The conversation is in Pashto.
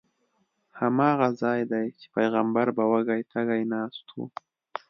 هماغه ځای دی چې پیغمبر به وږی تږی ناست و.